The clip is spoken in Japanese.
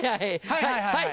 はいはい！